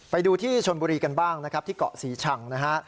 ไปดูที่ชนบุรีกันบ้างนะครับที่เกาะศรีชังนะฮะ